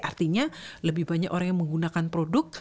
artinya lebih banyak orang yang menggunakan produk